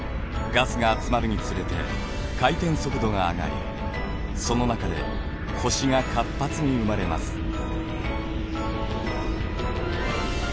ガスが集まるにつれて回転速度が上がりその中で星が活発に生まれます。